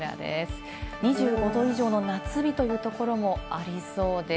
２５度以上の夏日というところもありそうです。